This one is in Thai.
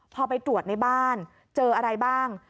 พอไปตรวจในบ้านเจออะไรบ้าง